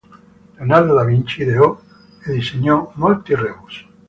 Leonardo da Vinci ideò e disegnò molti rebus.